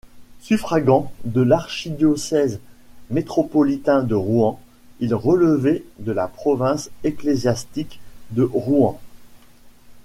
Suffragant de l'archidiocèse métropolitain de Rouen, il relevait de la province ecclésiastique de Rouen.